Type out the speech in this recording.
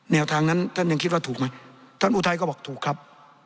แนวทางนั้นท่านยังคิดว่าถูกไหมท่านอุทัยก็บอกถูกครับ